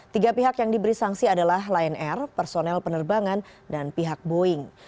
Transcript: tiga pihak yang diberi sanksi adalah lion air personel penerbangan dan pihak boeing